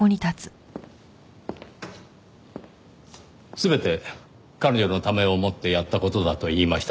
全て彼女のためを思ってやった事だと言いましたね。